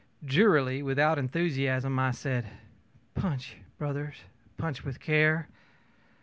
ö Drearily, without enthusiasm, I said: ōPunch brothers, punch with care!